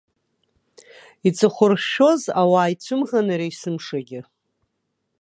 Иҵыхәаршәшәоз ауаа ицәымӷын иара есымшагьы.